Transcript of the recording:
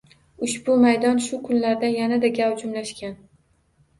Ushbu maydon shu kunlarda yanada gavjumlashgan